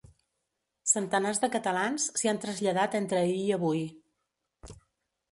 Centenars de catalans s’hi han traslladat entre ahir i avui.